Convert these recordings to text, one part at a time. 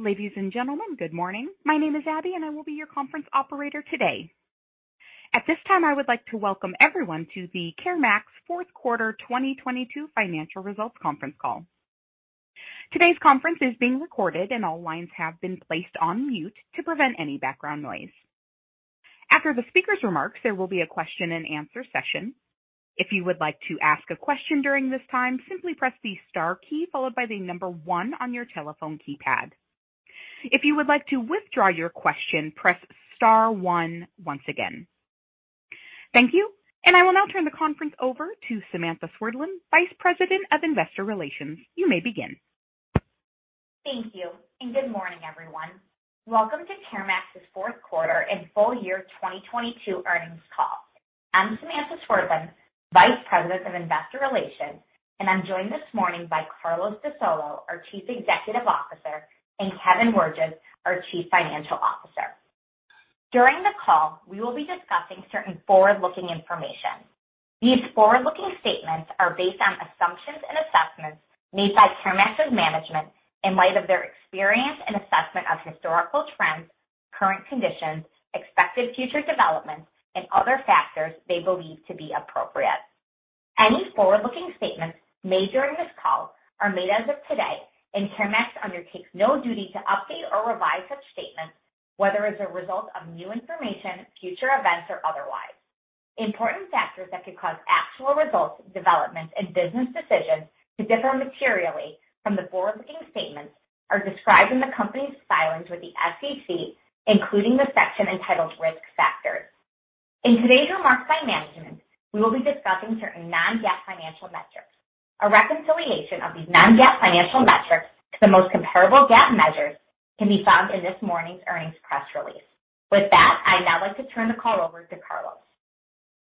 Ladies and gentlemen, good morning. My name is Abby, and I will be your conference operator today. At this time, I would like to welcome everyone to the CareMax fourth quarter 2022 financial results conference call. Today's conference is being recorded and all lines have been placed on mute to prevent any background noise. After the speaker's remarks, there will be a question-and-answer session. If you would like to ask a question during this time, simply press the star key followed by one on your telephone keypad. If you would like to withdraw your question, press star one once again. Thank you, and I will now turn the conference over to Samantha Swerdlin, Vice President of Investor Relations. You may begin. Thank you, good morning, everyone. Welcome to CareMax's fourth quarter and full year 2022 earnings call. I'm Samantha Swerdlin, Vice President of Investor Relations, and I'm joined this morning by Carlos DeSolo, our Chief Executive Officer, and Kevin Wirges, our Chief Financial Officer. During the call, we will be discussing certain forward-looking information. These forward-looking statements are based on assumptions and assessments made by CareMax's management in light of their experience and assessment of historical trends, current conditions, expected future developments, and other factors they believe to be appropriate. Any forward-looking statements made during this call are made as of today, and CareMax undertakes no duty to update or revise such statements, whether as a result of new information, future events, or otherwise. Important factors that could cause actual results, developments, and business decisions to differ materially from the forward-looking statements are described in the company's filings with the SEC, including the section entitled Risk Factors. In today's remarks by management, we will be discussing certain non-GAAP financial metrics. A reconciliation of these non-GAAP financial metrics to the most comparable GAAP measures can be found in this morning's earnings press release. With that, I'd now like to turn the call over to Carlos.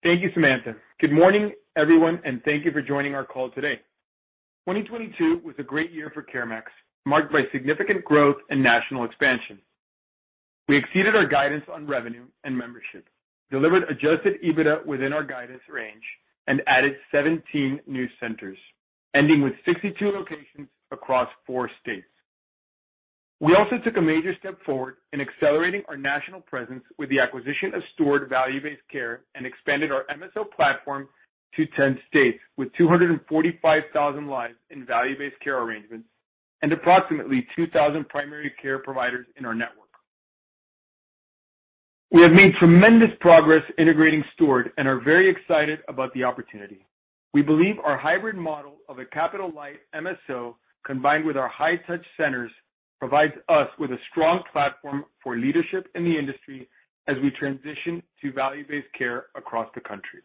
Thank you, Samantha. Good morning, everyone, and thank you for joining our call today. 2022 was a great year for CareMax, marked by significant growth and national expansion. We exceeded our guidance on revenue and membership, delivered Adjusted EBITDA within our guidance range, and added 17 new centers, ending with 62 locations across four states. We also took a major step forward in accelerating our national presence with the acquisition of Steward value-based care and expanded our MSO platform to 10 states with 245,000 lives in value-based care arrangements and approximately 2,000 primary care providers in our network. We have made tremendous progress integrating Steward and are very excited about the opportunity. We believe our hybrid model of a capital-light MSO, combined with our high-touch centers, provides us with a strong platform for leadership in the industry as we transition to value-based care across the country.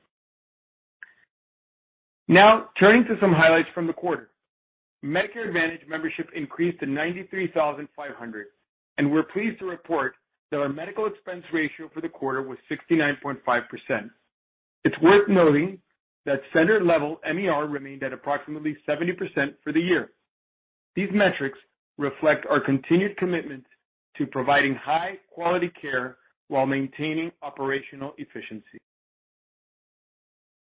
Turning to some highlights from the quarter. Medicare Advantage membership increased to 93,500, and we're pleased to report that our Medical Expense Ratio for the quarter was 69.5%. It's worth noting that center-level MER remained at approximately 70% for the year. These metrics reflect our continued commitment to providing high-quality care while maintaining operational efficiency.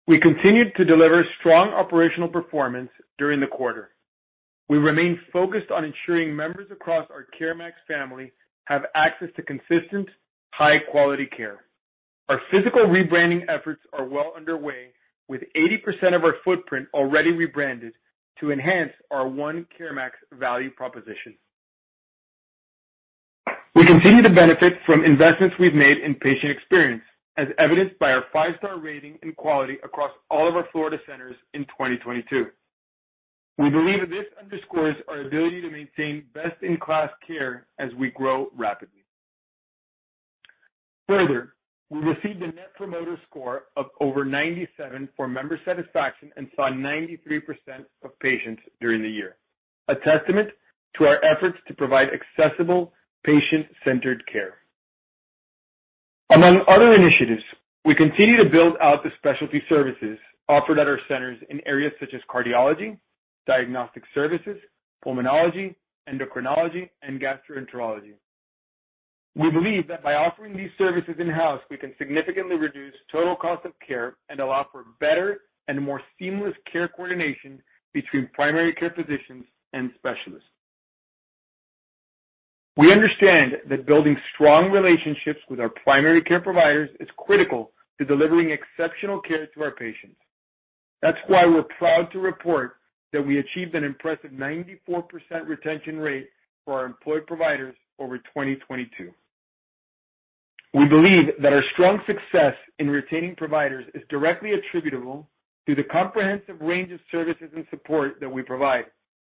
We continued to deliver strong operational performance during the quarter. We remain focused on ensuring members across our CareMax family have access to consistent, high-quality care. Our physical rebranding efforts are well underway, with 80% of our footprint already rebranded to enhance our One CareMax value proposition. We continue to benefit from investments we've made in patient experience, as evidenced by our five-star rating in quality across all of our Florida centers in 2022. We believe this underscores our ability to maintain best-in-class care as we grow rapidly. Further, we received a Net Promoter Score of over 97 for member satisfaction and saw 93% of patients during the year, a testament to our efforts to provide accessible, patient-centered care. Among other initiatives, we continue to build out the specialty services offered at our centers in areas such as cardiology, diagnostic services, pulmonology, endocrinology, and gastroenterology. We believe that by offering these services in-house, we can significantly reduce total cost of care and allow for better and more seamless care coordination between primary care physicians and specialists. We understand that building strong relationships with our primary care providers is critical to delivering exceptional care to our patients. That's why we're proud to report that we achieved an impressive 94% retention rate for our employed providers over 2022. We believe that our strong success in retaining providers is directly attributable to the comprehensive range of services and support that we provide.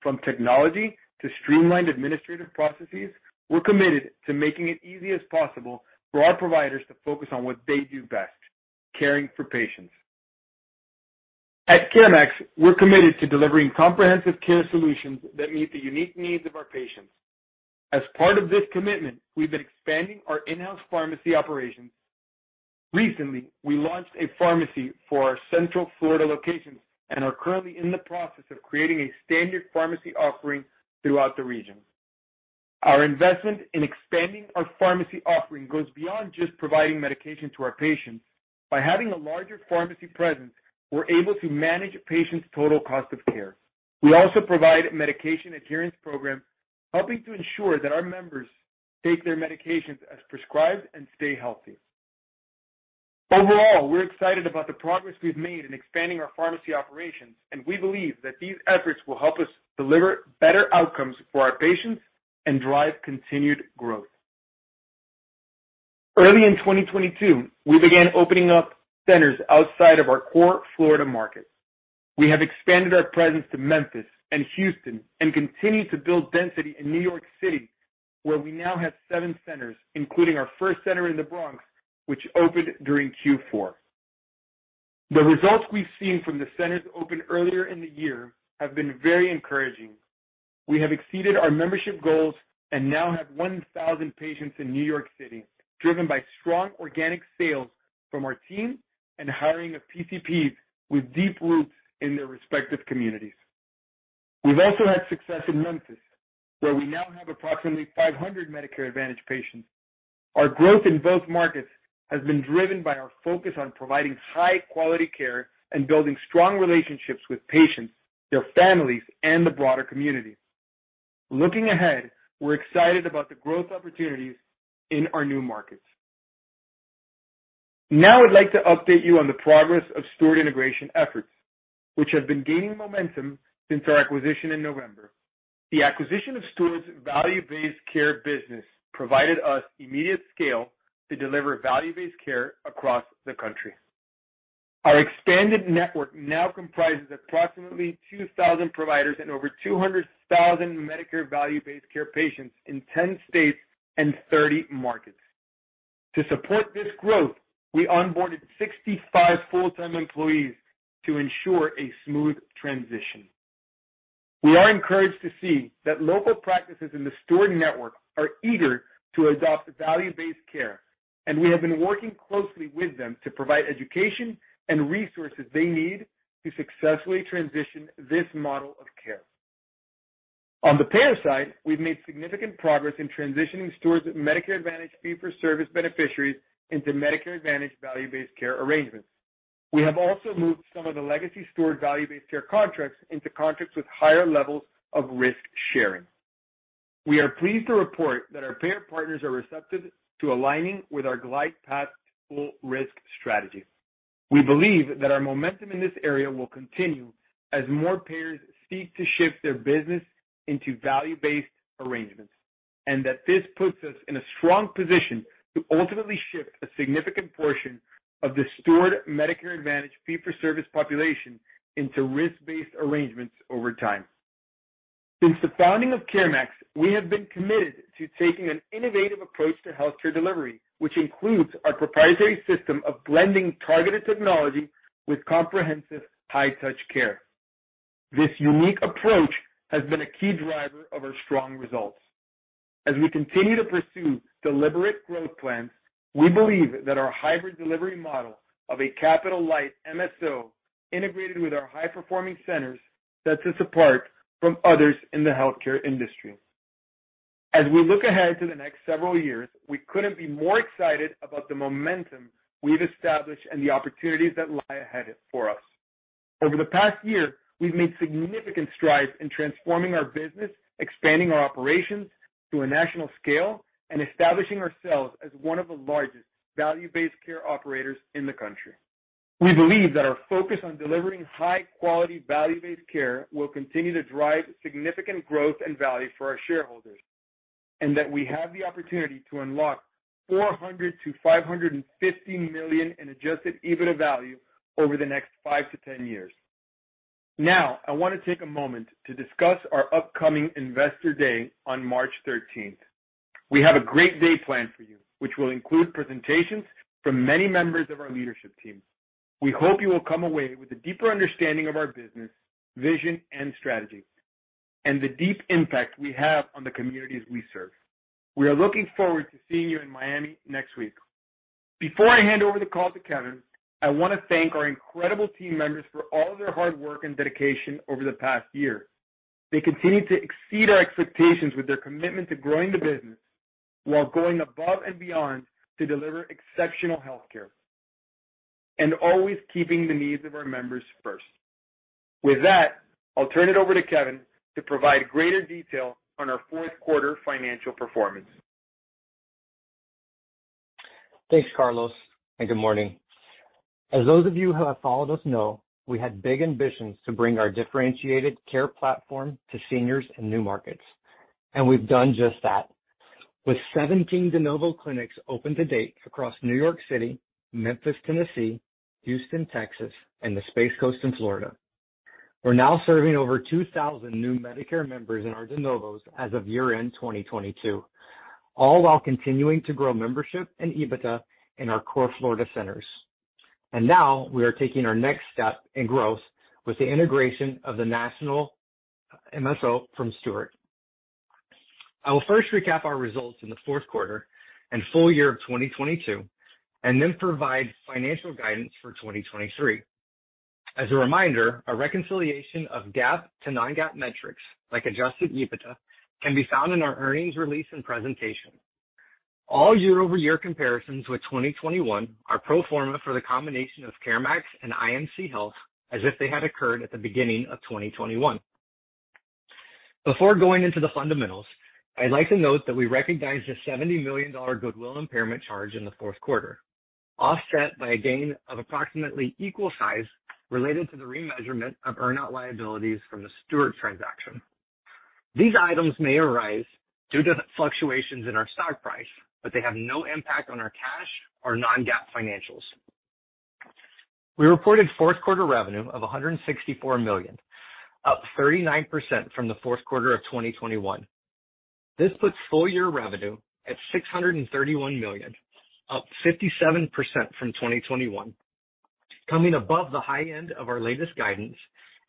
From technology to streamlined administrative processes, we're committed to making it easy as possible for our providers to focus on what they do best: caring for patients. At CareMax, we're committed to delivering comprehensive care solutions that meet the unique needs of our patients. As part of this commitment, we've been expanding our in-house pharmacy operations. Recently, we launched a pharmacy for our central Florida locations and are currently in the process of creating a standard pharmacy offering throughout the region. Our investment in expanding our pharmacy offering goes beyond just providing medication to our patients. By having a larger pharmacy presence, we're able to manage a patient's total cost of care. We also provide medication adherence program, helping to ensure that our members take their medications as prescribed and stay healthy. Overall, we're excited about the progress we've made in expanding our pharmacy operations, and we believe that these efforts will help us deliver better outcomes for our patients and drive continued growth. Early in 2022, we began opening up centers outside of our core Florida market. We have expanded our presence to Memphis and Houston and continue to build density in New York City, where we now have seven centers, including our first center in the Bronx, which opened during Q4. The results we've seen from the centers opened earlier in the year have been very encouraging. We have exceeded our membership goals and now have 1,000 patients in New York City, driven by strong organic sales from our team and hiring of PCPs with deep roots in their respective communities. We've also had success in Memphis, where we now have approximately 500 Medicare Advantage patients. Our growth in both markets has been driven by our focus on providing high-quality care and building strong relationships with patients, their families, and the broader community. Looking ahead, we're excited about the growth opportunities in our new markets. I'd like to update you on the progress of Steward integration efforts, which have been gaining momentum since our acquisition in November. The acquisition of Steward's value-based care business provided us immediate scale to deliver value-based care across the country. Our expanded network now comprises approximately 2,000 providers and over 200,000 Medicare value-based care patients in 10 states and 30 markets. To support this growth, we onboarded 65 full-time employees to ensure a smooth transition. We are encouraged to see that local practices in the Steward network are eager to adopt value-based care, and we have been working closely with them to provide education and resources they need to successfully transition this model of care. On the payer side, we've made significant progress in transitioning Steward's Medicare Advantage fee-for-service beneficiaries into Medicare Advantage value-based care arrangements. We have also moved some of the legacy Steward value-based care contracts into contracts with higher levels of risk-sharing. We are pleased to report that our payer partners are receptive to aligning with our glide path full risk strategy. We believe that our momentum in this area will continue as more payers seek to shift their business into value-based arrangements, and that this puts us in a strong position to ultimately shift a significant portion of the Steward Medicare Advantage fee-for-service population into risk-based arrangements over time. Since the founding of CareMax, we have been committed to taking an innovative approach to healthcare delivery, which includes our proprietary system of blending targeted technology with comprehensive high-touch care. This unique approach has been a key driver of our strong results. As we continue to pursue deliberate growth plans, we believe that our hybrid delivery model of a capital-light MSO integrated with our high-performing centers sets us apart from others in the healthcare industry. As we look ahead to the next several years, we couldn't be more excited about the momentum we've established and the opportunities that lie ahead for us. Over the past year, we've made significant strides in transforming our business, expanding our operations to a national scale, and establishing ourselves as one of the largest value-based care operators in the country. We believe that our focus on delivering high-quality value-based care will continue to drive significant growth and value for our shareholders, and that we have the opportunity to unlock $400 million-$550 million in Adjusted EBITDA value over the next 5-10 years. Now, I wanna take a moment to discuss our upcoming Investor Day on March 13th. We have a great day planned for you, which will include presentations from many members of our leadership team. We hope you will come away with a deeper understanding of our business, vision, and strategy, and the deep impact we have on the communities we serve. We are looking forward to seeing you in Miami next week. Before I hand over the call to Kevin, I wanna thank our incredible team members for all their hard work and dedication over the past year. They continue to exceed our expectations with their commitment to growing the business while going above and beyond to deliver exceptional healthcare and always keeping the needs of our members first. With that, I'll turn it over to Kevin to provide greater detail on our fourth quarter financial performance. Thanks, Carlos, good morning. As those of you who have followed us know, we had big ambitions to bring our differentiated care platform to seniors in new markets, and we've done just that. With 17 de novo clinics open to date across New York City, Memphis, Tennessee, Houston, Texas, and the Space Coast in Florida, we're now serving over 2,000 new Medicare members in our de novos as of year-end 2022, all while continuing to grow membership and EBITDA in our core Florida centers. Now we are taking our next step in growth with the integration of the national MSO from Steward. I will first recap our results in the fourth quarter and full year of 2022 and then provide financial guidance for 2023. As a reminder, a reconciliation of GAAP to non-GAAP metrics like Adjusted EBITDA can be found in our earnings release and presentation. All year-over-year comparisons with 2021 are pro forma for the combination of CareMax and IMC Health as if they had occurred at the beginning of 2021. Before going into the fundamentals, I'd like to note that we recognized a $70 million goodwill impairment charge in the fourth quarter, offset by a gain of approximately equal size related to the remeasurement of earn-out liabilities from the Steward transaction. These items may arise due to fluctuations in our stock price, but they have no impact on our cash or non-GAAP financials. We reported fourth quarter revenue of $164 million, up 39% from the fourth quarter of 2021. This puts full year revenue at $631 million, up 57% from 2021, coming above the high end of our latest guidance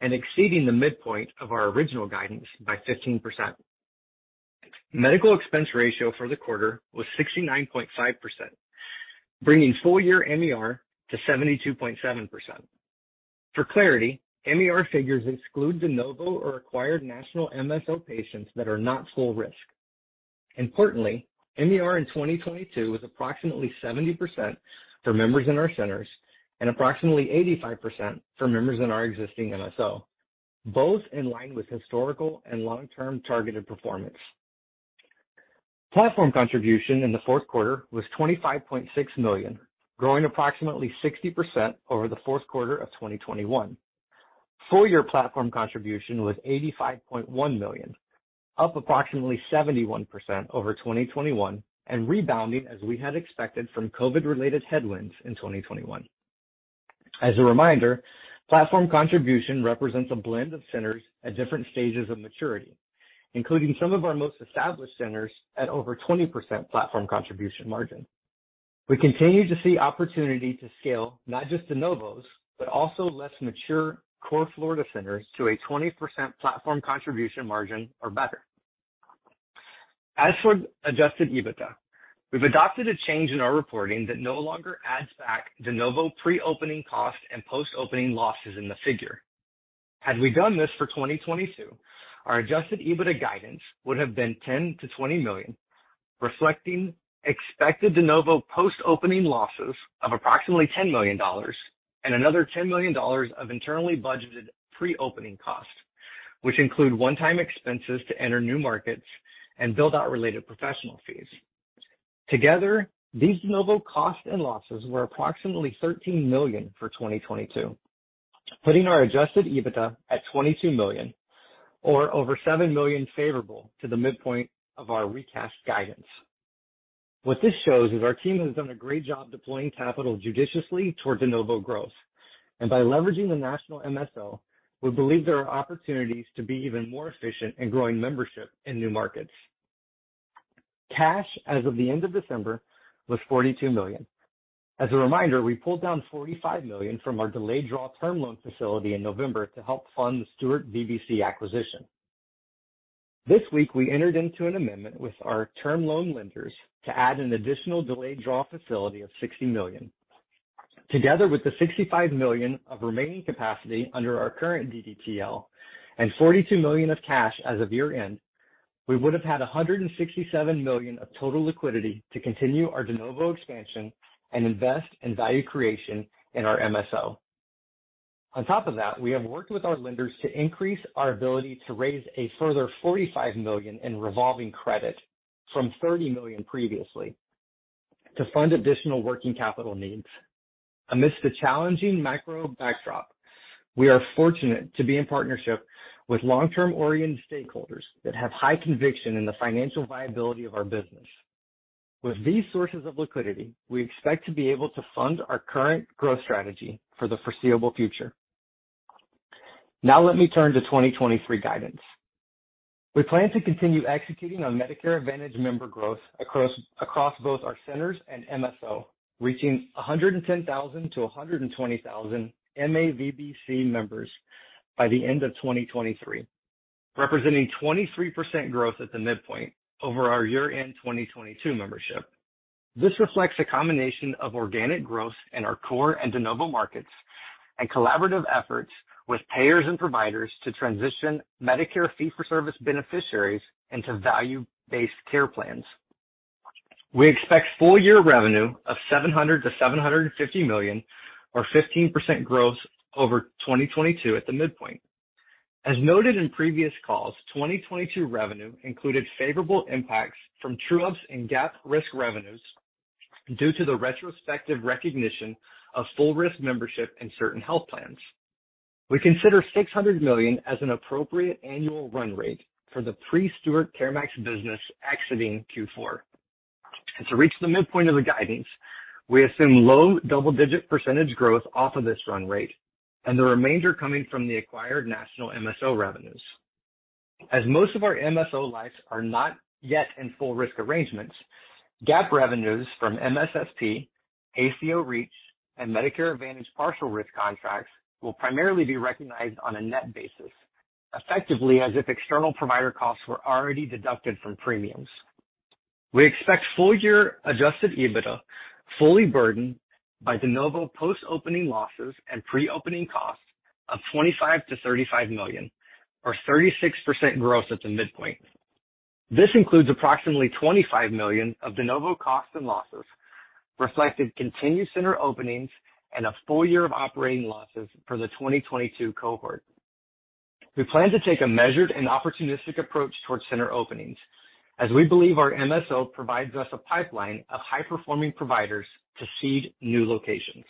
and exceeding the midpoint of our original guidance by 15%. Medical Expense Ratio for the quarter was 69.5%, bringing full year MER to 72.7%. For clarity, MER figures exclude de novo or acquired national MSO patients that are not full risk. Importantly, MER in 2022 was approximately 70% for members in our centers and approximately 85% for members in our existing MSO, both in line with historical and long-term targeted performance. Platform Contribution in the fourth quarter was $25.6 million, growing approximately 60% over the fourth quarter of 2021. Full year Platform Contribution was $85.1 million, up approximately 71% over 2021 and rebounding as we had expected from COVID-related headwinds in 2021. As a reminder, Platform Contribution represents a blend of centers at different stages of maturity, including some of our most established centers at over 20% Platform Contribution margin. We continue to see opportunity to scale not just de novos, but also less mature core Florida centers to a 20% Platform Contribution margin or better. As for Adjusted EBITDA, we've adopted a change in our reporting that no longer adds back de novo pre-opening costs and post-opening losses in the figure. Had we done this for 2022, our Adjusted EBITDA guidance would have been $10 million-$20 million, reflecting expected de novo post-opening losses of approximately $10 million and another $10 million of internally budgeted pre-opening costs, which include one-time expenses to enter new markets and build out related professional fees. Together, these de novo costs and losses were approximately $13 million for 2022, putting our Adjusted EBITDA at $22 million or over $7 million favorable to the midpoint of our recast guidance. What this shows is our team has done a great job deploying capital judiciously towards de novo growth. By leveraging the national MSO, we believe there are opportunities to be even more efficient in growing membership in new markets. Cash as of the end of December was $42 million. As a reminder, we pulled down $45 million from our delayed draw term loan facility in November to help fund the Steward VBC acquisition. This week, we entered into an amendment with our term loan lenders to add an additional delayed draw facility of $60 million, together with the $65 million of remaining capacity under our current DDTL and $42 million of cash as of year-end, we would have had $167 million of total liquidity to continue our de novo expansion and invest in value creation in our MSO. On top of that, we have worked with our lenders to increase our ability to raise a further $45 million in revolving credit from $30 million previously to fund additional working capital needs. Amidst the challenging macro backdrop, we are fortunate to be in partnership with long-term oriented stakeholders that have high conviction in the financial viability of our business. With these sources of liquidity, we expect to be able to fund our current growth strategy for the foreseeable future. Let me turn to 2023 guidance. We plan to continue executing on Medicare Advantage member growth across both our centers and MSO, reaching 110,000-120,000 MA VBC members by the end of 2023, representing 23% growth at the midpoint over our year-end 2022 membership. This reflects a combination of organic growth in our core and de novo markets and collaborative efforts with payers and providers to transition Medicare fee-for-service beneficiaries into value-based care plans. We expect full year revenue of $700 million-$750 million or 15% growth over 2022 at the midpoint. As noted in previous calls, 2022 revenue included favorable impacts from true-ups and GAAP risk revenues due to the retrospective recognition of full risk membership in certain health plans. We consider $600 million as an appropriate annual run rate for the pre-Steward CareMax business exiting Q4. To reach the midpoint of the guidance, we assume low double-digit % growth off of this run rate and the remainder coming from the acquired national MSO revenues. As most of our MSO lives are not yet in full risk arrangements, GAAP revenues from MSSP, ACO REACH, and Medicare Advantage partial risk contracts will primarily be recognized on a net basis, effectively as if external provider costs were already deducted from premiums. We expect full year Adjusted EBITDA fully burdened by de novo post-opening losses and pre-opening costs of $25 million-$35 million, or 36% gross at the midpoint. This includes approximately $25 million of de novo costs and losses, reflected continued center openings and a full year of operating losses for the 2022 cohort. We plan to take a measured and opportunistic approach towards center openings, as we believe our MSO provides us a pipeline of high-performing providers to seed new locations.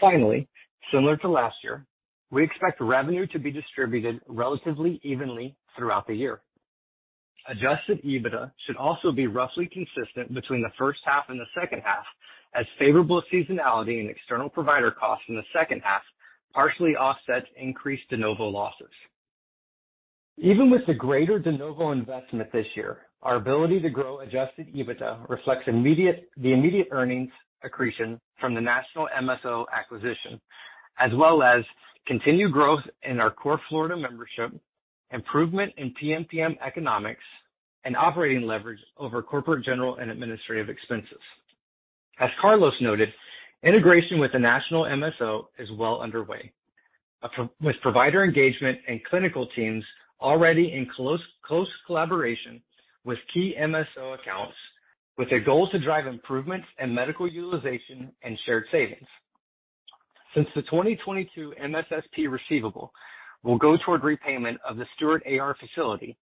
Finally, similar to last year, we expect revenue to be distributed relatively evenly throughout the year. Adjusted EBITDA should also be roughly consistent between the first half and the second half, as favorable seasonality and external provider costs in the second half partially offsets increased de novo losses. Even with the greater de novo investment this year, our ability to grow Adjusted EBITDA reflects the immediate earnings accretion from the National MSO acquisition, as well as continued growth in our core Florida membership, improvement in PMPM economics and operating leverage over corporate general and administrative expenses. As Carlos noted, integration with the National MSO is well underway, with provider engagement and clinical teams already in close collaboration with key MSO accounts, with a goal to drive improvements in medical utilization and shared savings. Since the 2022 MSSP receivable will go toward repayment of the Steward AR facility,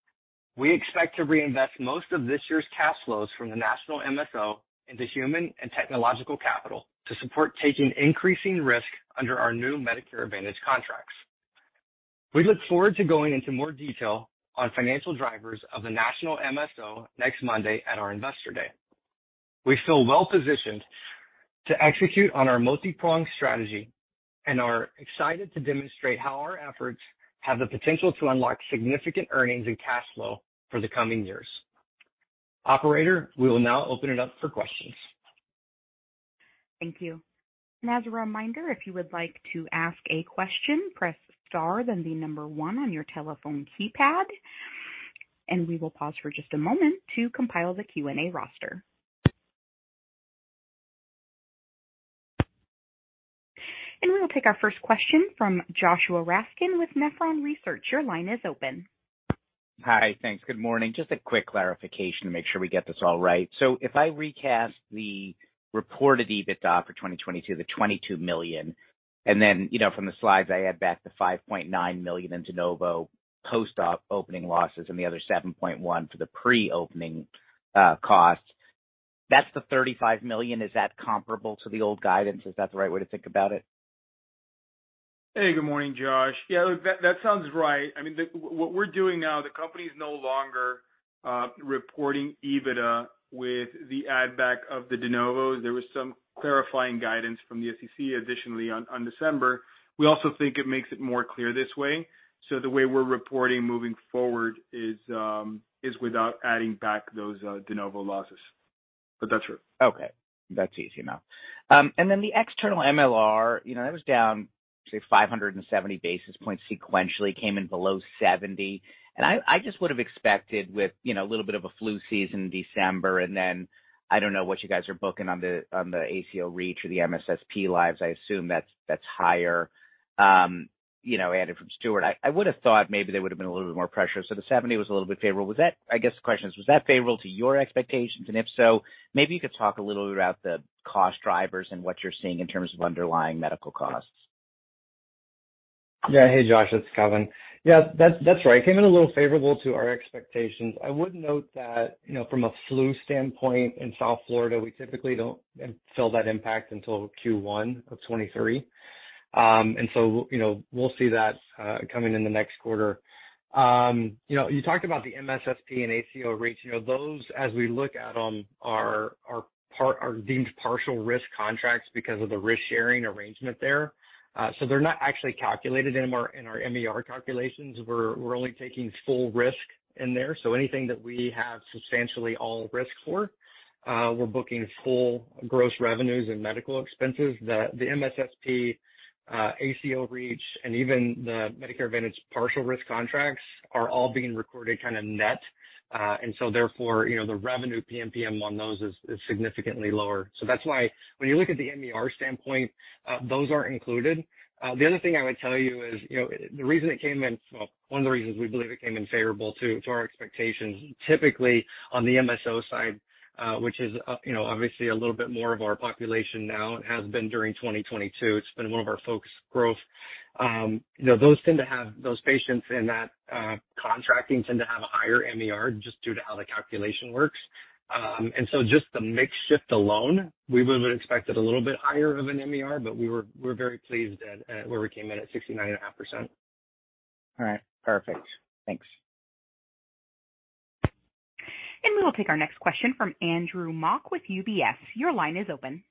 we expect to reinvest most of this year's cash flows from the national MSO into human and technological capital to support taking increasing risk under our new Medicare Advantage contracts. We look forward to going into more detail on financial drivers of the national MSO next Monday at our Investor Day. We feel well positioned to execute on our multi-pronged strategy and are excited to demonstrate how our efforts have the potential to unlock significant earnings and cash flow for the coming years. Operator, we will now open it up for questions. Thank you. As a reminder, if you would like to ask a question, press star then one on your telephone keypad. We will pause for just a moment to compile the Q&A roster. We will take our first question from Joshua Raskin with Nephron Research. Your line is open. Hi. Thanks. Good morning. Just a quick clarification to make sure we get this all right. If I recast the reported EBITDA for 2022, the $22 million, and then, you know, from the slides, I add back the $5.9 million in de novo post-op opening losses and the other $7.1 million for the pre-opening cost, that's the $35 million. Is that comparable to the old guidance? Is that the right way to think about it? Hey, good morning, Josh. Yeah, that sounds right. I mean, what we're doing now, the company is no longer reporting EBITDA with the add back of the de novos. There was some clarifying guidance from the SEC additionally on December. We also think it makes it more clear this way. The way we're reporting moving forward is without adding back those de novo losses. That's true. Okay. That's easy enough. The external MLR, you know, that was down, say, 570 basis points sequentially, came in below 70%. I just would have expected with, you know, a little bit of a flu season in December, then I don't know what you guys are booking on the, on the ACO REACH or the MSSP lives, I assume that's higher, you know, added from Steward. I would have thought maybe there would have been a little bit more pressure. The 70% was a little bit favorable. I guess the question is, was that favorable to your expectations? If so, maybe you could talk a little bit about the cost drivers and what you're seeing in terms of underlying medical costs. Hey, Josh, it's Kevin. That's right. It came in a little favorable to our expectations. I would note that, you know, from a flu standpoint, in South Florida, we typically don't feel that impact until Q1 of 2023. You know, we'll see that coming in the next quarter. You know, you talked about the MSSP and ACO rates. You know, those, as we look at them, are deemed partial risk contracts because of the risk-sharing arrangement there. They're not actually calculated in our MER calculations. We're only taking full risk in there. Anything that we have substantially all risk for, we're booking full gross revenues and medical expenses. The MSSP, ACO REACH, and even the Medicare Advantage partial risk contracts are all being recorded kind of net. Therefore, you know, the revenue PMPM on those is significantly lower. That's why when you look at the MER standpoint, those aren't included. The other thing I would tell you is, you know, one of the reasons we believe it came in favorable to our expectations, typically on the MSO side, which is, you know, obviously a little bit more of our population now and has been during 2022, it's been one of our folks growth. You know, those tend to have those patients in that contracting tend to have a higher MER just due to how the calculation works. Just the mix shift alone, we would have expected a little bit higher of an MER, but we're very pleased at where we came in at 69.5%. All right. Perfect. Thanks. We will take our next question from Andrew Mok with UBS. Your line is open.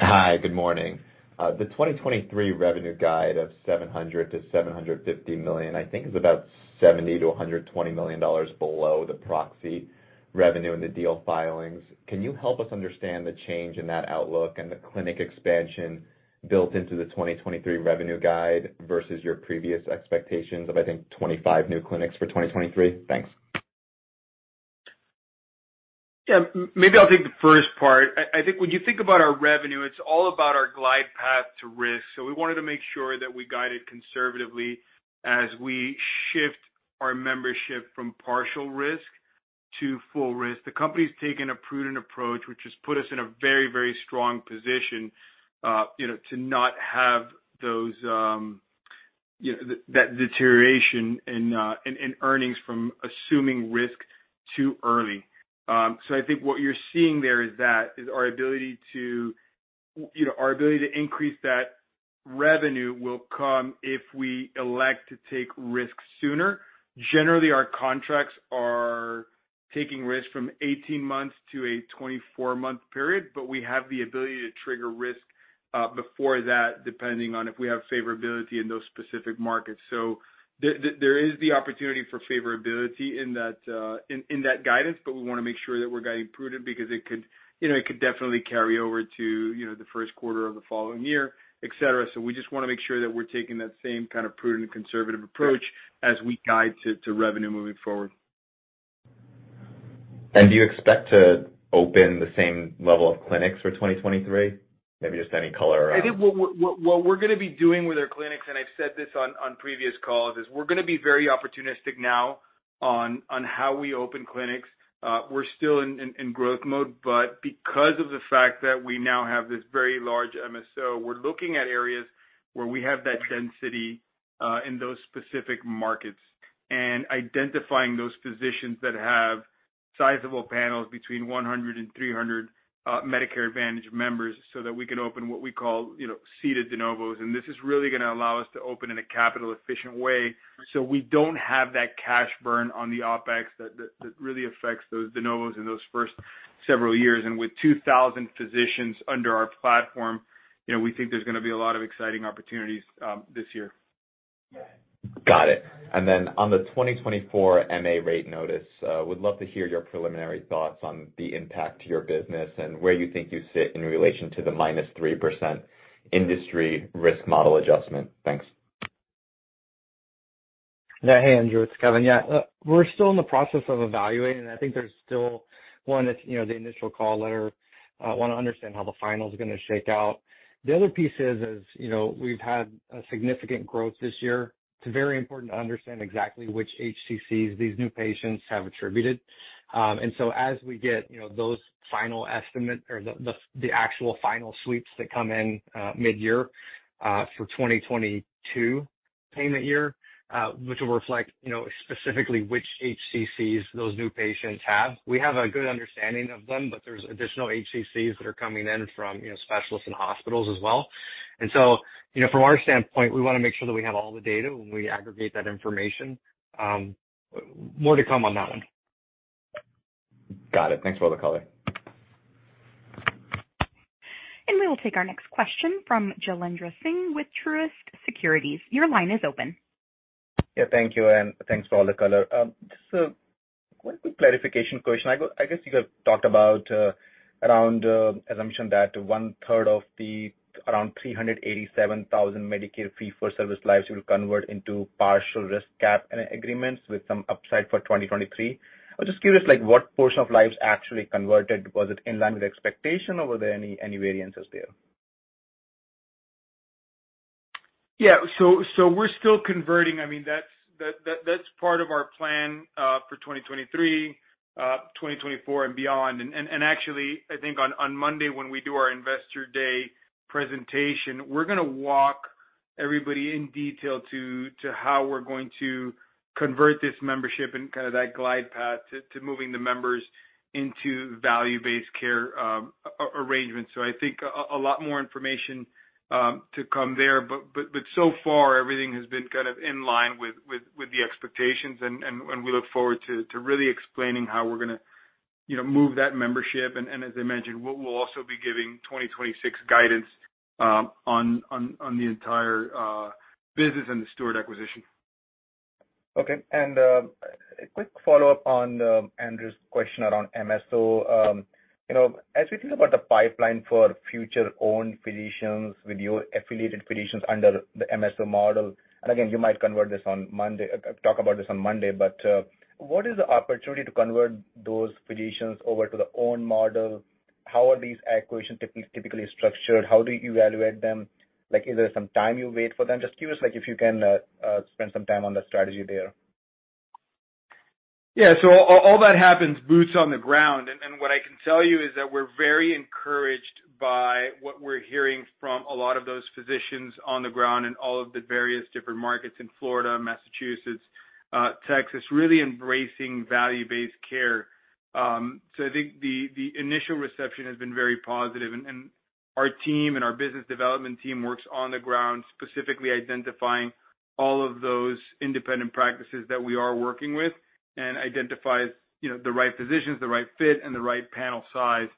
Hi. Good morning. The 2023 revenue guide of $700 million-$750 million, I think, is about $70 million-$120 million below the proxy revenue in the deal filings. Can you help us understand the change in that outlook and the clinic expansion built into the 2023 revenue guide versus your previous expectations of, I think, 25 new clinics for 2023? Thanks. Maybe I'll take the first part. I think when you think about our revenue, it's all about our glide path to risk. We wanted to make sure that we guide it conservatively as we shift our membership from partial risk to full risk. The company's taken a prudent approach, which has put us in a very, very strong position, you know, to not have those, you know, that deterioration in earnings from assuming risk too early. I think what you're seeing there is our ability to, you know, our ability to increase that revenue will come if we elect to take risks sooner. Generally, our contracts are taking risks from 18 months to a 24-month period, but we have the ability to trigger risk before that, depending on if we have favorability in those specific markets. There is the opportunity for favorability in that, in that guidance, but we wanna make sure that we're guiding prudent because it could, you know, definitely carry over to, you know, the first quarter of the following year, et cetera. We just wanna make sure that we're taking that same kind of prudent and conservative approach as we guide to revenue moving forward. Do you expect to open the same level of clinics for 2023? Maybe just any color. I think what we're gonna be doing with our clinics, and I've said this on previous calls, is we're gonna be very opportunistic now on how we open clinics. We're still in growth mode, but because of the fact that we now have this very large MSO, we're looking at areas where we have that density in those specific markets and identifying those physicians that have sizable panels between 100 and 300 Medicare Advantage members so that we can open what we call, you know, seeded de novos. This is really gonna allow us to open in a capital efficient way, so we don't have that cash burn on the OpEx that really affects those de novos in those first several years. With 2,000 physicians under our platform, you know, we think there's gonna be a lot of exciting opportunities this year. Got it. On the 2024 MA rate notice, would love to hear your preliminary thoughts on the impact to your business and where you think you sit in relation to the -3% industry risk model adjustment. Thanks. Yeah. Hey, Andrew, it's Kevin. Yeah, we're still in the process of evaluating. I think there's still one that's, you know, the initial call letter, wanna understand how the final's gonna shake out. The other piece is, you know, we've had a significant growth this year. It's very important to understand exactly which HCCs these new patients have attributed. As we get, you know, those final estimate or the, the actual final sweeps that come in, mid-year, for 2022 payment year, which will reflect, you know, specifically which HCCs those new patients have. We have a good understanding of them, but there's additional HCCs that are coming in from, you know, specialists and hospitals as well. From our standpoint, we wanna make sure that we have all the data when we aggregate that information. More to come on that one. Got it. Thanks for all the color. We will take our next question from Jailendra Singh with Truist Securities. Your line is open. Thank you, and thanks for all the color. Just a one quick clarification question. I guess you guys talked about, around assumption that 1/3 of the around 387,000 Medicare fee-for-service lives will convert into partial risk cap agreements with some upside for 2023. I'm just curious, like, what portion of lives actually converted? Was it in line with expectation or were there any variances there? Yeah. We're still converting. I mean, that's part of our plan for 2023, 2024 and beyond. Actually, I think on Monday when we do our Investor Day presentation, we're going to walk everybody in detail to how we're going to convert this membership and kind of that glide path to moving the members into value-based care arrangement. I think a lot more information to come there, but so far, everything has been kind of in line with the expectations and we look forward to really explaining how we're going to, you know, move that membership and as I mentioned, we'll also be giving 2026 guidance on the entire business and the Steward acquisition. Okay. A quick follow-up on Andrew's question around MSO. You know, as we think about the pipeline for future owned physicians with your affiliated physicians under the MSO model, and again, you might convert this on Monday, talk about this on Monday, but what is the opportunity to convert those physicians over to the own model? How are these acquisitions typically structured? How do you evaluate them? Like, is there some time you wait for them? Just curious, like if you can spend some time on the strategy there. Yeah. all that happens, boots on the ground. what I can tell you is that we're very encouraged by what we're hearing from a lot of those physicians on the ground in all of the various different markets in Florida, Massachusetts, Texas, really embracing value-based care. I think the initial reception has been very positive and our team and our business development team works on the ground, specifically identifying all of those independent practices that we are working with and identifies, you know, the right physicians, the right fit, and the right panel size.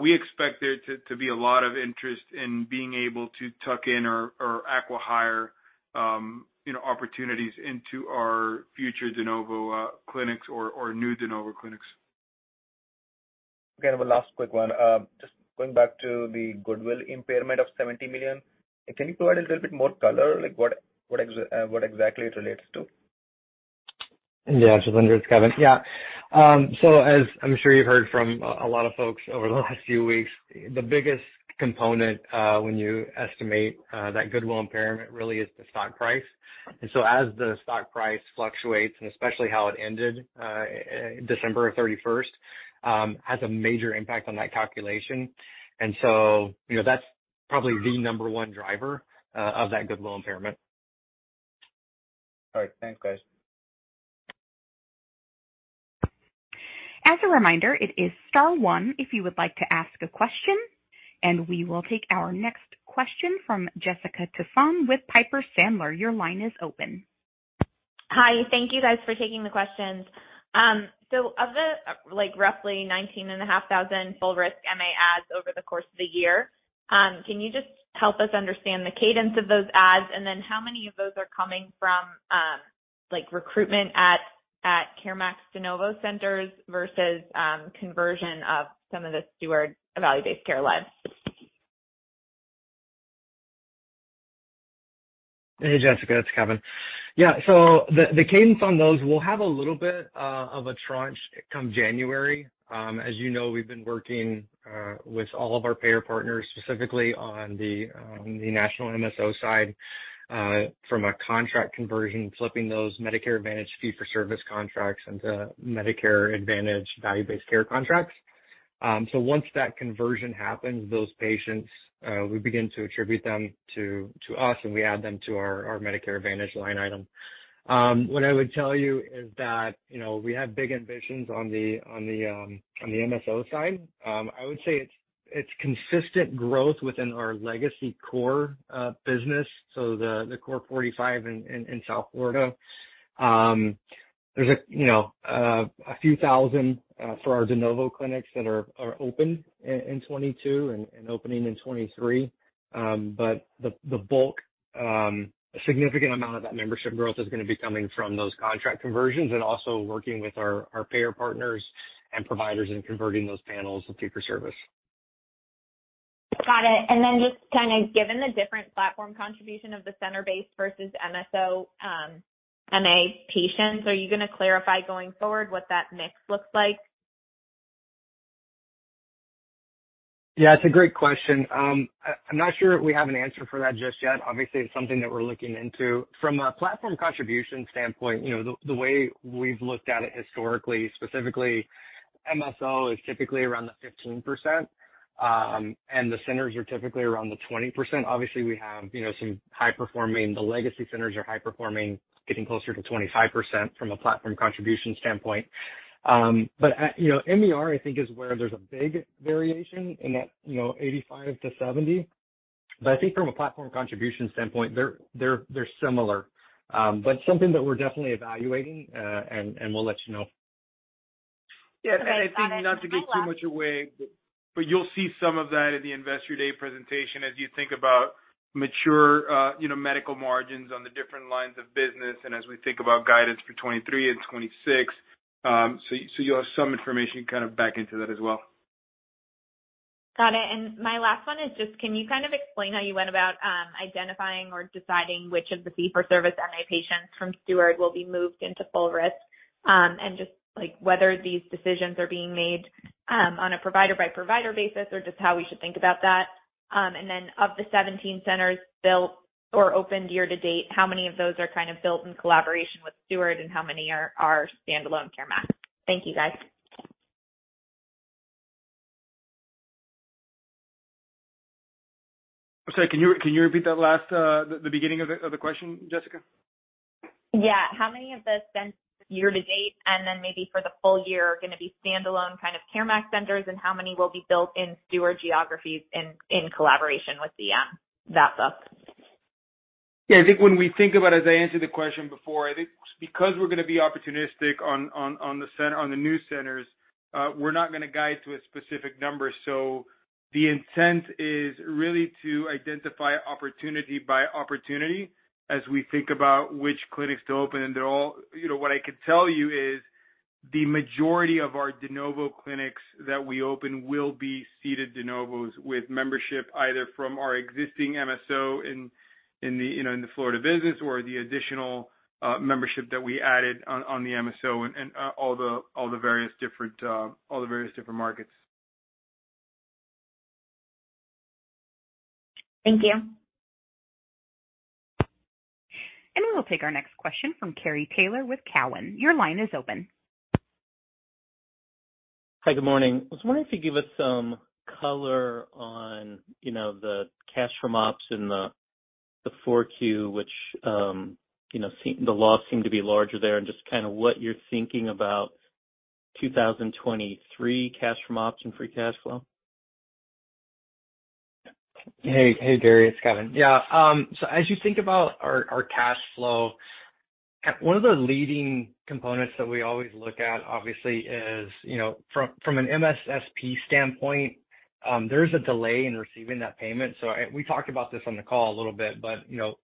we expect there to be a lot of interest in being able to tuck in or acqui-hire, you know, opportunities into our future de novo clinics or new de novo clinics. Okay. The last quick one, just going back to the goodwill impairment of $70 million, can you provide a little bit more color, like what exactly it relates to? Jailendra, it's Kevin. As I'm sure you've heard from a lot of folks over the last few weeks, the biggest component when you estimate that goodwill impairment really is the stock price. As the stock price fluctuates, and especially how it ended December 31st, has a major impact on that calculation. You know, that's probably the number one driver of that goodwill impairment. All right. Thanks, guys. As a reminder, it is star one if you would like to ask a question, and we will take our next question from Jessica Tassan with Piper Sandler. Your line is open. Hi. Thank you guys for taking the questions. Of the, like, roughly 19,500 full risk MA ads over the course of the year, can you just help us understand the cadence of those ads, and then how many of those are coming from recruitment at CareMax de novo centers versus conversion of some of the Steward value-based care lives? Hey, Jessica, it's Kevin. The cadence on those, we'll have a little bit of a tranche come January. As you know, we've been working with all of our payer partners, specifically on the national MSO side, from a contract conversion, flipping those Medicare Advantage fee-for-service contracts into Medicare Advantage value-based care contracts. Once that conversion happens, those patients, we begin to attribute them to us, and we add them to our Medicare Advantage line item. What I would tell you is that, you know, we have big ambitions on the MSO side. I would say it's consistent growth within our legacy core business, the core 45 in South Florida. There's a, you know, a few thousand, for our de novo clinics that are open in 2022 and opening in 2023. The bulk, a significant amount of that membership growth is gonna be coming from those contract conversions and also working with our payer partners and providers in converting those panels to fee-for-service. Got it. Just kinda given the different Platform Contribution of the center-based versus MSO, MA patients, are you gonna clarify going forward what that mix looks like? Yeah, it's a great question. I'm not sure we have an answer for that just yet. Obviously, it's something that we're looking into. From a Platform Contribution standpoint, you know, the way we've looked at it historically, specifically MSO is typically around the 15%, and the centers are typically around the 20%. Obviously, we have, you know, some high performing, the legacy centers are high performing, getting closer to 25% from a Platform Contribution standpoint. You know, MER, I think, is where there's a big variation in that, you know, 85%-70%. I think from a Platform Contribution standpoint, they're similar. Something that we're definitely evaluating, and we'll let you know. Yeah. I think not to give too much away, but you'll see some of that in the Investor Day presentation as you think about mature, you know, medical margins on the different lines of business and as we think about guidance for 2023 and 2026. You'll have some information kind of back into that as well. Got it. My last one is just, can you kind of explain how you went about identifying or deciding which of the fee-for-service MA patients from Steward will be moved into full risk? Just like whether these decisions are being made on a provider by provider basis or just how we should think about that. Then of the 17 centers built or opened year to date, how many of those are kind of built in collaboration with Steward and how many are standalone CareMax? Thank you, guys. Sorry, can you repeat that last, the beginning of the question, Jessica? Yeah. How many of the centers year-to-date, and then maybe for the full year, are gonna be standalone kind of CareMax centers, and how many will be built in Steward geographies in collaboration with the that sub? I think when we think about, as I answered the question before, I think because we're gonna be opportunistic on the new centers, we're not gonna guide to a specific number. The intent is really to identify opportunity by opportunity as we think about which clinics to open. You know, what I could tell you is the majority of our de novo clinics that we open will be seeded de novos with membership, either from our existing MSO in the, you know, in the Florida business or the additional membership that we added on the MSO and all the various different markets. Thank you. We'll take our next question from Gary Taylor with Cowen. Your line is open. Hi. Good morning. I was wondering if you could give us some color on, you know, the cash from ops in the 4Q which, you know, the loss seemed to be larger there, and just kind of what you're thinking about 2023 cash from ops and free cash flow? Hey, hey, Gary, it's Kevin. Yeah. As you think about our cash flow, one of the leading components that we always look at, obviously, is, you know, from an MSSP standpoint, there is a delay in receiving that payment. We talked about this on the call a little bit, but, you know,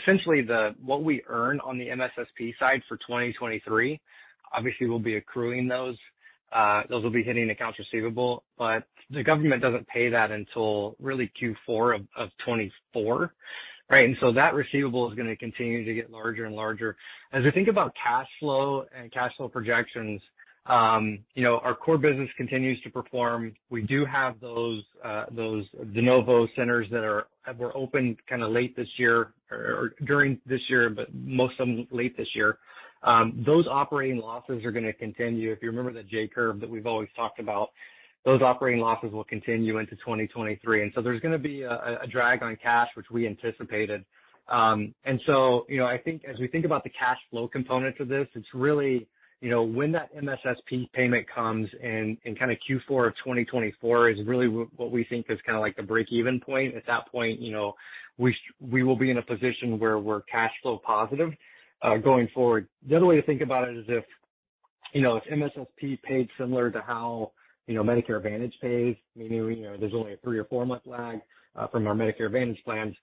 essentially what we earn on the MSSP side for 2023, obviously we'll be accruing those. Those will be hitting accounts receivable, but the government doesn't pay that until really Q4 of 2024, right? That receivable is gonna continue to get larger and larger. As we think about cash flow and cash flow projections, you know, our core business continues to perform. We do have those de novo centers that were opened kinda late this year or during this year, but most of them late this year. Those operating losses are gonna continue. If you remember the J-curve that we've always talked about, those operating losses will continue into 2023. There's gonna be a drag on cash, which we anticipated. You know, I think as we think about the cash flow component to this, it's really, you know, when that MSSP payment comes in kinda Q4 of 2024 is really what we think is kinda like the break-even point. At that point, you know, we will be in a position where we're cash flow positive, going forward. The other way to think about it is if, you know, if MSSP paid similar to how, you know, Medicare Advantage pays, meaning, you know, there's only a 3 or 4-month lag from our Medicare Advantage plans,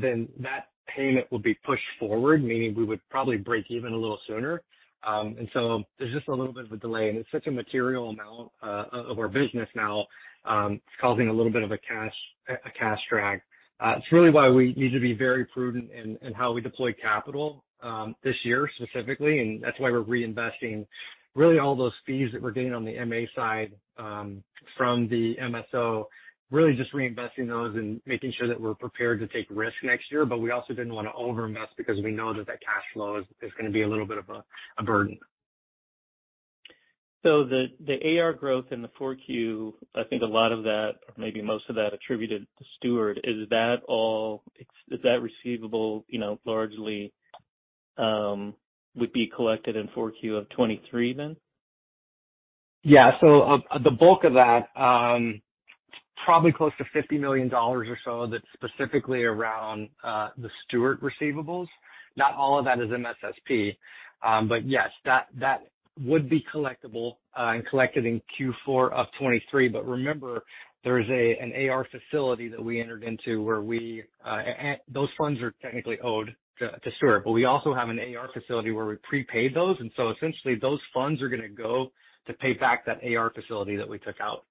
then that payment would be pushed forward, meaning we would probably break even a little sooner. There's just a little bit of a delay, and it's such a material amount of our business now, it's causing a little bit of a cash drag. It's really why we need to be very prudent in how we deploy capital this year specifically, and that's why we're reinvesting really all those fees that we're getting on the MA side from the MSO, really just reinvesting those and making sure that we're prepared to take risks next year. We also didn't wanna over-invest because we know that that cash flow is gonna be a little bit of a burden. The AR growth in the 4-Q, I think a lot of that or maybe most of that attributed to Steward, is that all Is that receivable, you know, largely, would be collected in 4Q of 2023 then? Yeah. The bulk of that, probably close to $50 million or so that's specifically around the Steward receivables. Not all of that is MSSP. Yes, that would be collectible and collected in Q4 of 2023. Remember, there is an AR facility that we entered into where Those funds are technically owed to Steward, but we also have an AR facility where we prepaid those. Essentially those funds are gonna go to pay back that AR facility that we took out.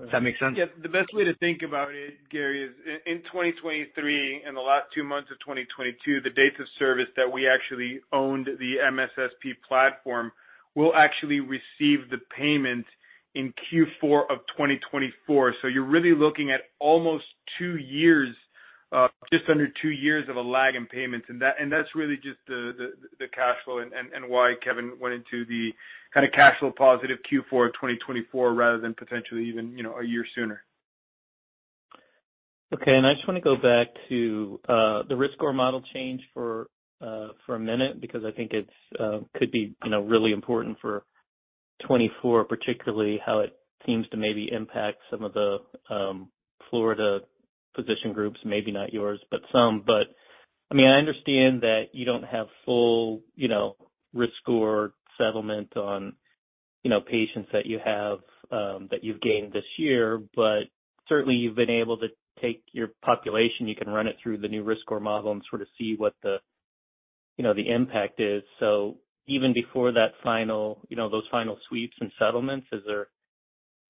Does that make sense? Yeah. The best way to think about it, Gary, is in 2023 and the last two months of 2022, the dates of service that we actually owned the MSSP platform will actually receive the payment in Q4 of 2024. You're really looking at almost two years, just under two years of a lag in payments. That's really just the cash flow and why Kevin went into the kinda cash flow positive Q4 of 2024 rather than potentially even, you know, one year sooner. Okay. I just wanna go back to the risk score model change for a minute because I think it's could be, you know, really important for 2024, particularly how it seems to maybe impact some of the Florida physician groups, maybe not yours, but some. I mean, I understand that you don't have full, you know, risk score settlement on, you know, patients that you have that you've gained this year, but certainly you've been able to take your population, you can run it through the new risk score model and sort of see what the, you know, the impact is. Even before that final, you know, those final sweeps and settlements, is there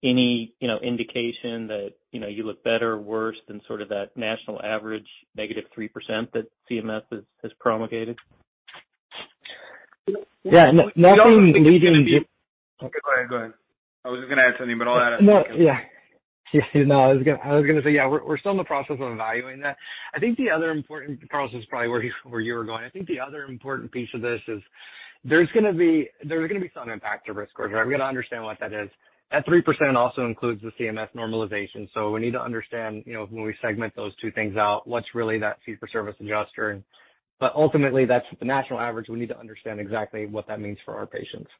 any, you know, indication that, you know, you look better or worse than sort of that national average -3% that CMS has promulgated? Yeah. Nothing we can do- Go ahead. I was just going to add something, but I'll add it- No. Yeah. No, I was gonna say, yeah, we're still in the process of evaluating that. I think the other important, Carlos, this is probably where you were going. I think the other important piece of this is there's gonna be some impact to risk score. We've gotta understand what that is. That 3% also includes the CMS normalization, so we need to understand, you know, when we segment those two things out, what's really that fee-for-service adjuster. Ultimately, that's the national average. We need to understand exactly what that means for our patients.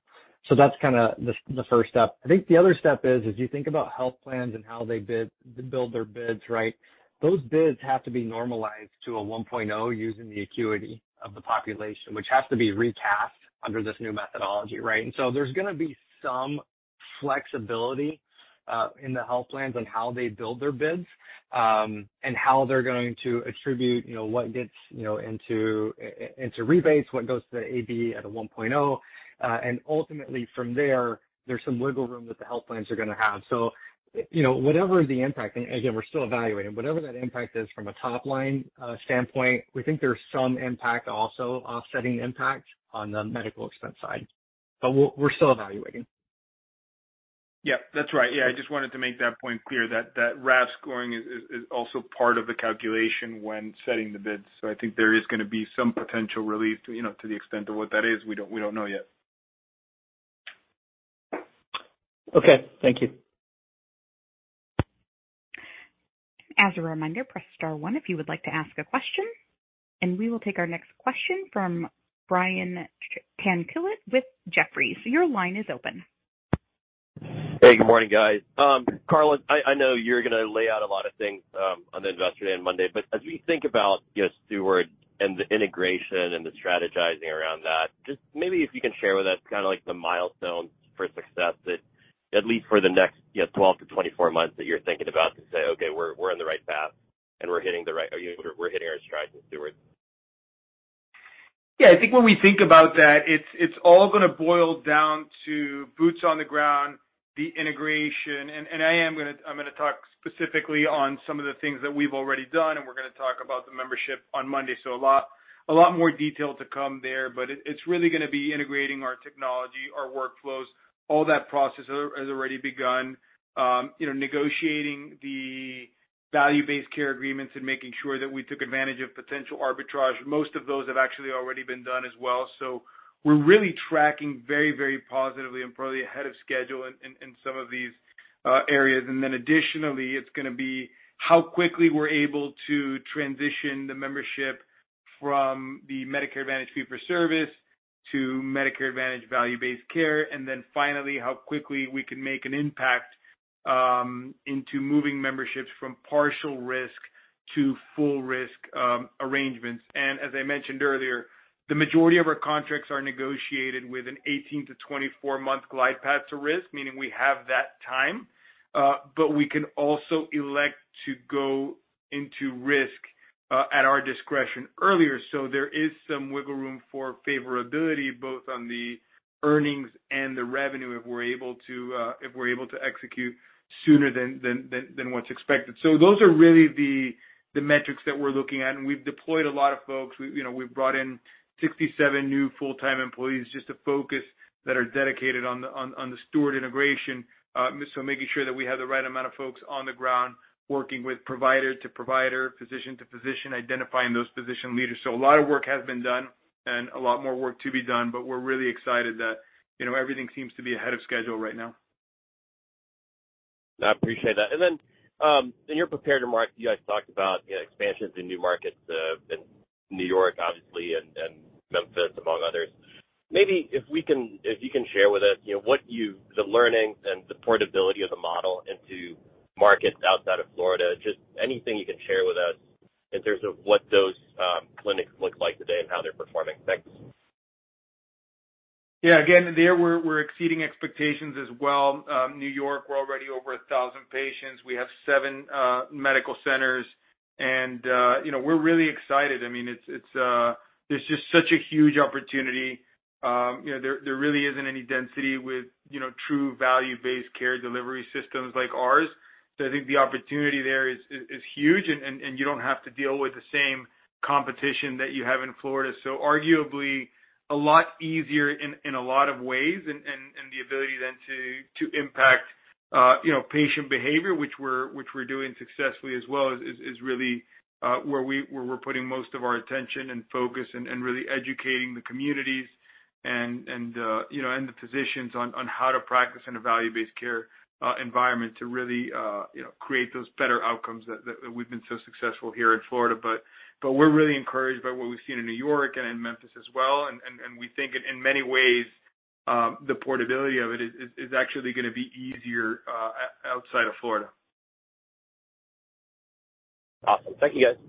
That's kinda the first step. I think the other step is, as you think about health plans and how they bid, build their bids, right? Those bids have to be normalized to a 1.0 using the acuity of the population, which has to be recast under this new methodology, right? There's gonna be some flexibility in the health plans on how they build their bids, and how they're going to attribute, you know, what gets, you know, into rebates, what goes to the AB at a 1.0. Ultimately from there's some wiggle room that the health plans are gonna have. Whatever the impact, and again, we're still evaluating, whatever that impact is from a top-line standpoint, we think there's some impact also offsetting the impact on the medical expense side. We're still evaluating. Yeah. That's right. Yeah. I just wanted to make that point clear that RAF scoring is also part of the calculation when setting the bids. I think there is gonna be some potential relief to, you know, to the extent of what that is, we don't know yet. Okay. Thank you. As a reminder, press star one if you would like to ask a question. We will take our next question from Brian Tanquilut with Jefferies. Your line is open. Hey, good morning, guys. Carlos, I know you're gonna lay out a lot of things, on Investor Day on Monday, but as we think about, you know, Steward and the integration and the strategizing around that, just maybe if you can share with us kinda like the milestones for success. At least for the next, you know, 12-24 months that you're thinking about to say, "Okay, we're on the right path and we're hitting our strides with Steward. Yeah. I think when we think about that, it's all gonna boil down to boots on the ground, the integration. I'm gonna talk specifically on some of the things that we've already done, and we're gonna talk about the membership on Monday. A lot more detail to come there. It's really gonna be integrating our technology, our workflows. All that process has already begun. You know, negotiating the value-based care agreements and making sure that we took advantage of potential arbitrage. Most of those have actually already been done as well. We're really tracking very positively and probably ahead of schedule in some of these areas. Additionally, it's gonna be how quickly we're able to transition the membership from the Medicare Advantage fee-for-service to Medicare Advantage value-based care. Finally, how quickly we can make an impact into moving memberships from partial risk to full risk arrangements. As I mentioned earlier, the majority of our contracts are negotiated with an 18-24 month glide path to risk, meaning we have that time. We can also elect to go into risk at our discretion earlier. There is some wiggle room for favorability, both on the earnings and the revenue, if we're able to, if we're able to execute sooner than what's expected. Those are really the metrics that we're looking at. We've deployed a lot of folks. We, you know, we've brought in 67 new full-time employees just to focus that are dedicated on the Steward integration. Making sure that we have the right amount of folks on the ground working with provider to provider, physician to physician, identifying those physician leaders. A lot of work has been done and a lot more work to be done, but we're really excited that, you know, everything seems to be ahead of schedule right now. I appreciate that. You guys talked about, you know, expansions in new markets in New York obviously and Memphis among others. If you can share with us, you know, the learning and the portability of the model into markets outside of Florida. Just anything you can share with us in terms of what those clinics look like today and how they're performing. Thanks. Again, there we're exceeding expectations as well. New York, we're already over 1,000 patients. We have seven medical centers and, you know, we're really excited. I mean, it's... There's just such a huge opportunity. You know, there really isn't any density with, you know, true value-based care delivery systems like ours. I think the opportunity there is huge and you don't have to deal with the same competition that you have in Florida. Arguably a lot easier in a lot of ways and the ability then to impact, you know, patient behavior, which we're doing successfully as well, is really where we're putting most of our attention and focus and really educating the communities and, you know, and the physicians on how to practice in a value-based care environment to really, you know, create those better outcomes that we've been so successful here in Florida. We're really encouraged by what we've seen in New York and in Memphis as well. We think in many ways, the portability of it is actually gonna be easier, outside of Florida. Awesome. Thank you, guys.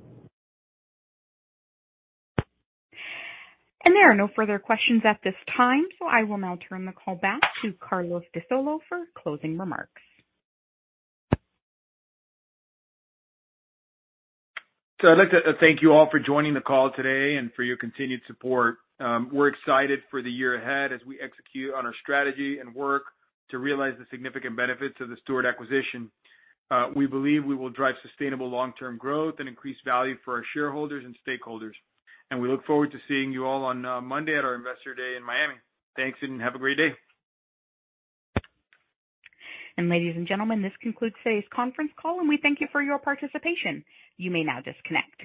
There are no further questions at this time, I will now turn the call back to Carlos de Solo for closing remarks. I'd like to thank you all for joining the call today and for your continued support. We're excited for the year ahead as we execute on our strategy and work to realize the significant benefits of the Steward acquisition. We believe we will drive sustainable long-term growth and increase value for our shareholders and stakeholders. We look forward to seeing you all on Monday at our Investor Day in Miami. Thanks, and have a great day. Ladies and gentlemen, this concludes today's conference call, and we thank you for your participation. You may now disconnect.